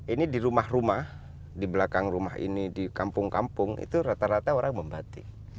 ini di rumah rumah di belakang rumah ini di kampung kampung itu rata rata orang membatik